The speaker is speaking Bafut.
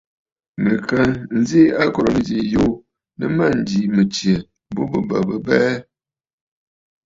Nɨ̀ ka nzi akòrə̀ nɨzî yuu nɨ mânjì mɨ̀tsyɛ̀ bu bɨ bə̀ bɨ abɛɛ.